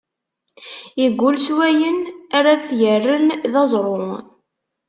Iggul s wayen ar ad t-yerren d aẓru.